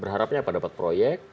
berharapnya apa dapat proyek